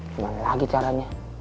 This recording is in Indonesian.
gimana lagi caranya